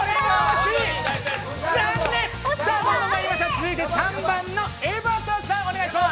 続いて３番のえばたさん、お願いします。